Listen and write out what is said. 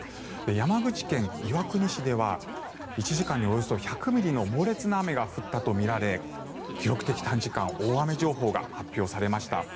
山口県岩国市では１時間におよそ１００ミリの猛烈な雨が降ったとみられ記録的短時間大雨情報が発表されました。